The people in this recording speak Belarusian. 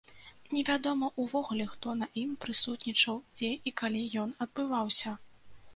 Невядома ўвогуле, хто на ім прысутнічаў, дзе і калі ён адбываўся.